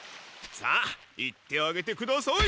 さあ行ってあげてください！